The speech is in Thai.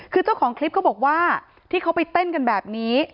คือเจ้าของคลิปเขาบอกว่าที่เขาไปเต้นกันแบบนี้